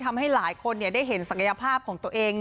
ทำให้หลายคนได้เห็นศักยภาพของตัวเอง